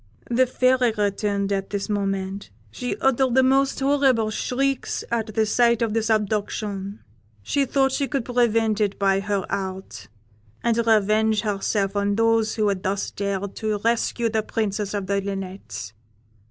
"The Fairy returned at this moment; she uttered the most horrible shrieks at the sight of this abduction; she thought she could prevent it by her art, and revenge herself on those who had thus dared to rescue the Princess of the Linnets.